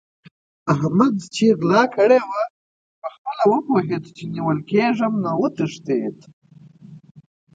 احمد چې غلا کړې وه؛ په خپل ولي پوهېد چې نيول کېږم نو وتښتېد.